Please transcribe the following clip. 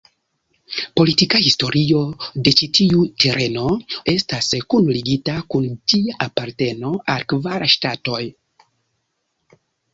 Politika historio de ĉi tiu tereno estas kunligita kun ĝia aparteno al kvar ŝtatoj.